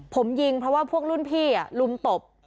ผมยิงเพราะว่าพวกรุ่นพี่ลุมตบ